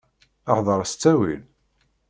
Hḍeṛ s ttawil.